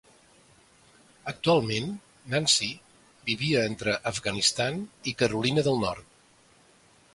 Actualment, Nancy vivia entre Afganistan i Carolina del Nord.